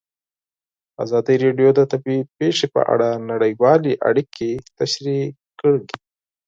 ازادي راډیو د طبیعي پېښې په اړه نړیوالې اړیکې تشریح کړي.